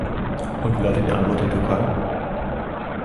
Und wie lautet die Antwort der Türkei?